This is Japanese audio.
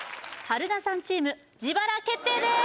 春菜さんチーム自腹決定です！